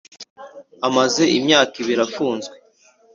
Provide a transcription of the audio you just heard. Amaze imyaka ibiri afunzwe